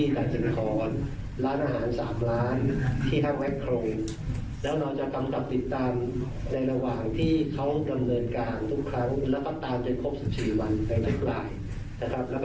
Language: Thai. ของคุณผู้ชมต้องติดต่อจังหวัดเป็นเรื่องพันธการเสิร์ฟนะครับ